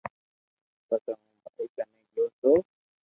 پسي ھون ڀائي ڪني گيو تو